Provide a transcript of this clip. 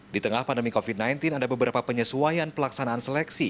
di tengah pandemi covid sembilan belas ada beberapa penyesuaian pelaksanaan seleksi